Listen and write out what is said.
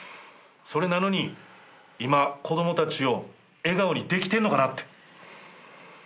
それなのに今子供たちを笑顔にできてんのかなって。